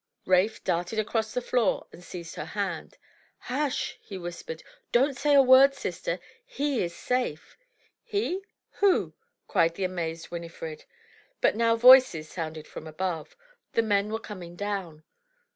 Rafe darted across the floor and seized her hand. "Hush," he whispered. "Don't say a word, sister. He is safe." "He? Who?" cried the amazed Winifred. But now voices sounded from above. The men were coming down.